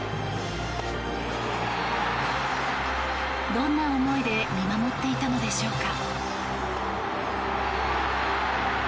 どんな思いで見守っていたのでしょうか。